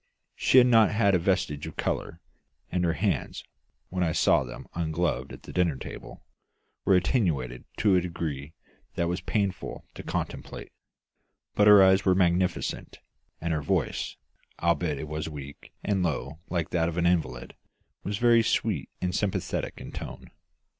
She had not a vestige of colour, and her hands, when I saw them ungloved at the dinner table, were attenuated to a degree that was painful to contemplate; but her eyes were magnificent, and her voice, albeit it was weak and low like that of an invalid, was very sweet and sympathetic in tone.